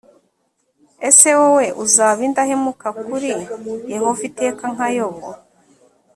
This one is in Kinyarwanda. ese wowe uzaba indahemuka kuri yehova iteka nka yobu